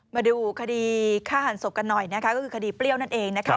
มาดูคดีฆ่าหันศพกันหน่อยนะคะก็คือคดีเปรี้ยวนั่นเองนะคะ